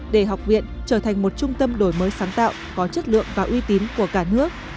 để học viện trở thành một trung tâm đổi mới sáng tạo có chất lượng và uy tín của cả nước